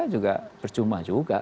juga percuma juga